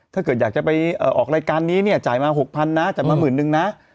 ถ้าเกิดอยากจะไปออกรายการนี้เนี่ยจ่ายมา๖๐๐๐นะจ่ายมาหมื่นนึงนะ